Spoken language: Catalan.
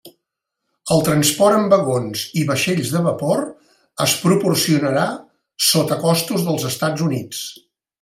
El transport en vagons i vaixells de vapor es proporcionarà sota costos dels Estats Units.